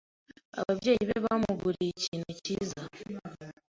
Ababyeyi be bamuguriye ikintu cyiza.